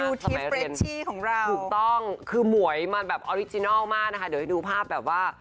ทิฟเรชชี่ของเราถูกต้องคือหมวยมันแบบออริจินัลมากนะคะเดี๋ยวให้ดูภาพแบบว่า